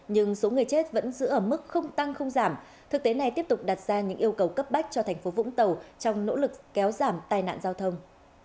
nhưng số người chết vẫn giữ ở mức không tăng không giảm thực tế này tiếp tục đặt ra những yêu cầu cấp bách cho thành phố vũng tàu trong nỗ lực kéo giảm tai nạn giao thông